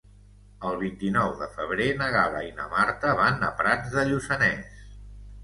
El vint-i-nou de febrer na Gal·la i na Marta van a Prats de Lluçanès.